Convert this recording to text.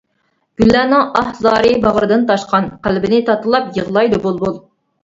گۈللەرنىڭ ئاھ-زارى باغرىدىن تاشقان، قەلبىنى تاتىلاپ يىغلايدۇ بۇلبۇل.